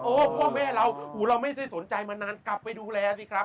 พ่อแม่เราหูเราเราไม่ได้สนใจมานานกลับไปดูแลสิครับ